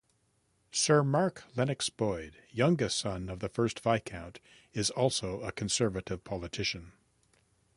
Sir Mark Lennox-Boyd, youngest son of the first Viscount, is also a Conservative politician.